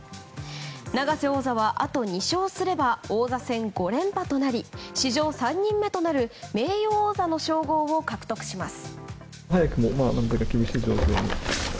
永瀬王座は、あと２勝すれば王座戦５連覇となり史上３人目となる名誉王座の称号を獲得します。